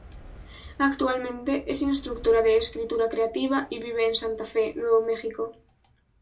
Actualmente es instructora de escritura creativa y vive en Santa Fe, Nuevo Mexico.